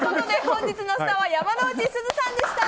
本日のスターは山之内すずさんでした。